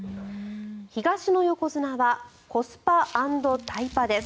東の横綱はコスパ＆タイパです。